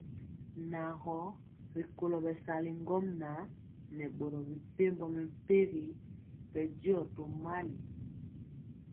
Nan gɔ rikolo bɛsali ŋgomnaŋ nɛ boro mepempɔ mɛmpegi bɛndiɔ tomali.